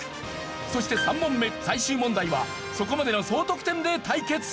そして３問目最終問題はそこまでの総得点で対決！